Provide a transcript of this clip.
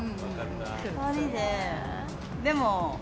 ２人ででも。